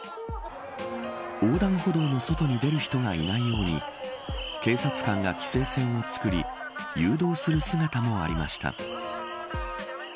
横断歩道の外に出る人がいないように警察官が規制線を作り誘導する姿もありました。